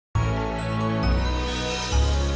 sampai jumpa di video selanjutnya